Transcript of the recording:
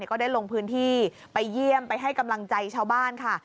ก็ได้ลงพื้นที่ไปเยี่ยมไปให้กำลังใจชาวบ้านค่ะ